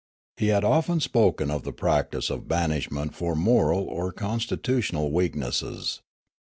He had often spoken of the practice of banishment for moral or con stitutional weaknesses.